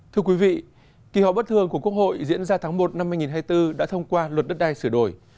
thưa quý vị kỳ họp bất thường của quốc hội diễn ra tháng một năm hai nghìn hai mươi bốn đã thông qua luật đất đai sửa đổi